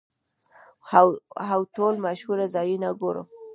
هو، ټول مشهور ځایونه ګورم